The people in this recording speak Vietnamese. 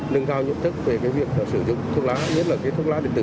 nâng cao nhận thức về việc sử dụng thuốc lá nhất là thuốc lá điện tử